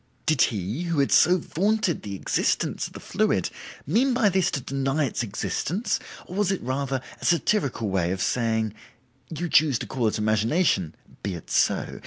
Did he, who had so vaunted the existence of the fluid, mean by this to deny its existence, or was it rather a satirical way of saying. 'You choose to call it imagination; be it so.